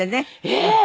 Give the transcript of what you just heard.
ええ。